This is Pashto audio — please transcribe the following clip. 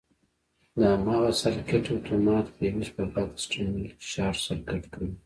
د هماغه سرکټ اتومات فیوز په بکس ټرمینل کې شارټ سرکټ کوي.